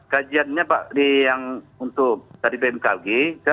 kajiannya pak yang untuk tadi pmkg